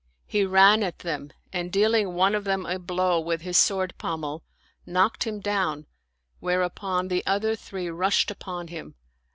He ran at them and deal ing one of them a blow with his sword pommel, knocked him down, whereupon the other three rushed upon him.